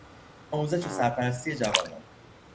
آموزش و سرپرستی جوانان